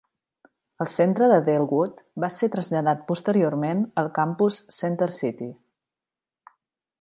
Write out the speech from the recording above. El centre de Dellwood va ser traslladat posteriorment al campus Center City.